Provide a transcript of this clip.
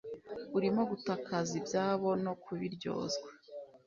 Urimo gutakaza ibyabo no kubiryozwa